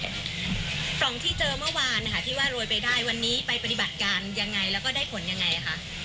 กล่องที่เจอเมื่อวานนะคะที่ว่าโรยไปได้วันนี้ไปปฏิบัติการยังไงแล้วก็ได้ผลยังไงคะ